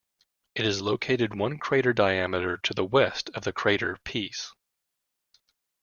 It is located one crater diameter to the west of the crater Pease.